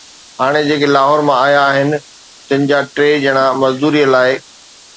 هاڻي جيڪي لاهور مان آيا آهن، تن جا ٽي ڄڻا مزدوريءَ لاءِ